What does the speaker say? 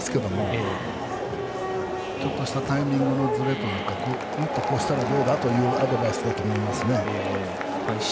あとは打ち取っていますけどもちょっとしたタイミングのずれとかもっと、こうしたら、どうだ？というアドバイスだと思います。